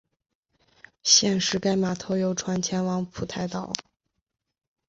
现时该码头有船前往蒲台岛。